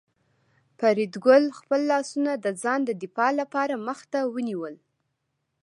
فریدګل خپل لاسونه د ځان د دفاع لپاره مخ ته ونیول